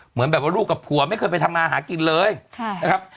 เหมือนแบบว่าลูกกับผัวไม่เคยไปทำงานหากินเลยนะครับ